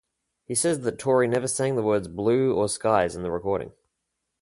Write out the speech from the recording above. He says that Tori never sang the words "blue" or "skies" in the recording.